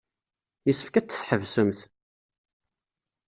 Yessefk ad t-tḥebsemt.